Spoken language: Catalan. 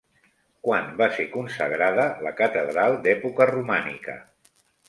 Quan va ser consagrada la catedral d'època romànica?